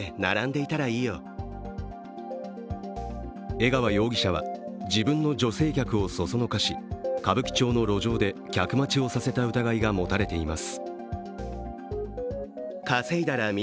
江川容疑者は自分の女性客をそそのかし歌舞伎町の路上で客待ちをさせた疑いが持たれています。